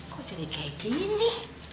kok jadi kayak gini